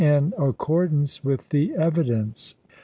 IN ACCORDANCE WITH THE EVIDENCE.